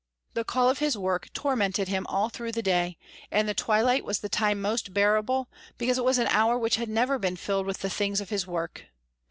The call of his work tormented him all through the day, and the twilight was the time most bearable because it was an hour which had never been filled with the things of his work.